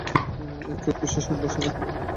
এর চেয়ে উৎকৃষ্ট সম্ভাষণ আর কিইবা হতে পারে?